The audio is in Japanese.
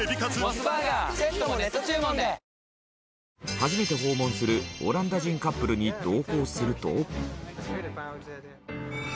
初めて訪問するオランダ人カップルに同行すると。